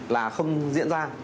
là không diễn ra